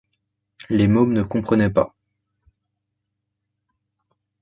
Les mômes ne comprenaient pas.